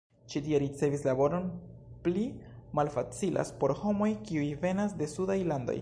Ĉi tie, ricevi laboron pli malfacilas por homoj, kiuj venas de sudaj landoj.